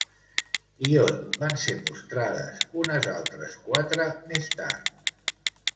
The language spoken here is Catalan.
I on van ser mostrades unes altres quatre més tard?